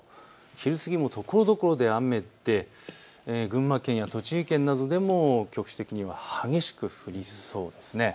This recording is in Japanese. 昼過ぎもところどころで雨で群馬県や栃木県などでも局地的には激しく降りそうです。